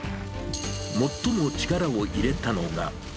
最も力を入れたのが。